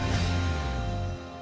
tim liputan cnn indonesia